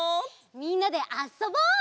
みんなであそぼう！